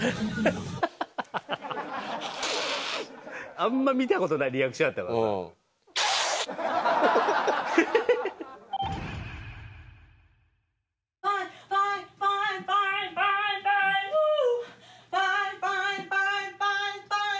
あんま見たことないリアクションやったからな。